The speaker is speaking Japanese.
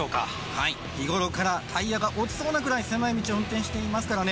はい日頃からタイヤが落ちそうなぐらい狭い道を運転していますからね